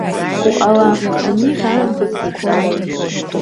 Уҟала! аниҳәа аамҭазы зегьы ҟалоит.